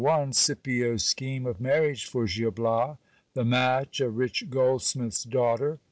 — Scipids scheme of marriage for Gil Bias. The match, a rich goldsmith's daughter.